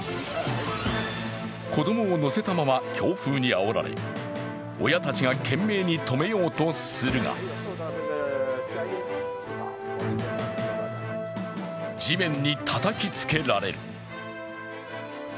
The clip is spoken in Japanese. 子供を乗せたまま強風にあおられ、親たちが懸命に止めようとするが地面にたたきつけられるｌ。